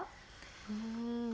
うん。